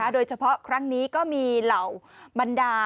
โดยเฉพาะครั้งนี้ก็มีเหล่าบรรดา